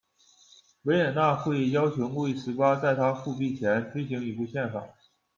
维也纳会议要求路易十八在他复辟前推行一部宪法。